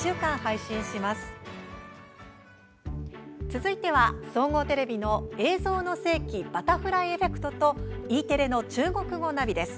続いては総合テレビの「映像の世紀バタフライエフェクト」とＥテレの「中国語！ナビ」です。